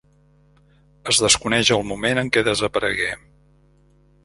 Es desconeix el moment en què desaparegué.